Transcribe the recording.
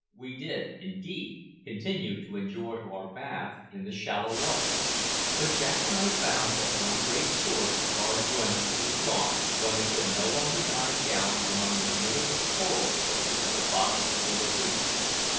We did, indeed, continue to enjoy our bathe in the shallow water; but Jack and I found that one great source of our enjoyment was gone when we could no longer dive down among the beautiful coral groves at the bottom of the lagoon.